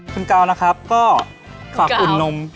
คุณกาวนะครับก็ฝากอุ่นนม